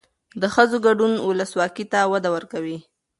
د ښځو ګډون ولسواکۍ ته وده ورکوي.